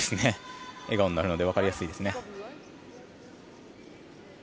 笑顔になるのでわかりやすいですね。